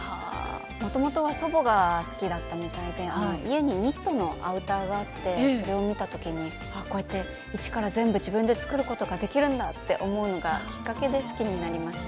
もともとは祖母が好きだったみたいで家にニットのアウターがあってそれを見た時にあこうやって一から全部自分で作ることができるんだって思うのがきっかけで好きになりました。